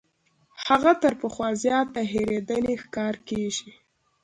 هغه تر پخوا زیات د هېرېدنې ښکار کیږي.